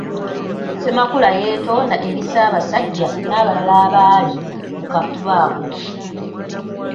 Ssemakalu yeetonda eri Ssabasajja n’abalala abaali mu kafubo ako.